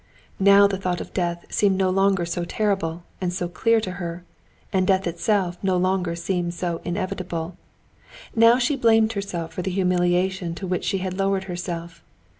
Now the thought of death seemed no longer so terrible and so clear to her, and death itself no longer seemed so inevitable. Now she blamed herself for the humiliation to which she had lowered herself.